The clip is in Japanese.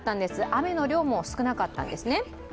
雨の量も少なかったんですね。